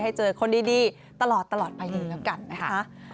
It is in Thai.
ให้เจอคนดีตลอดไปเลยแล้วกันนะคะ